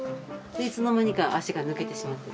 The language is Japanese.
でいつの間にか脚が抜けてしまって。